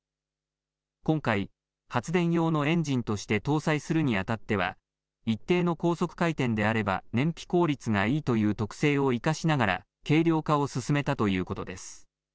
今回、発電用のエンジンとして搭載するにあたっては一定の高速回転であれば燃費効率がいいという特性を生かしながら軽量化を進めたということです。